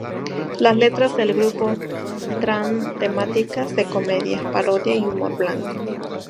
Las letras del grupo, tran temáticas de comedia, parodia y humor blanco.